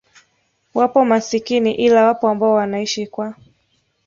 wapo masikini ila wapo ambao wanaishi kwa